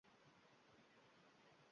Qoʻrqinchli yaxshisiz, naylayin.